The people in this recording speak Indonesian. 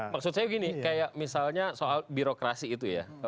maksud saya gini kayak misalnya soal birokrasi itu ya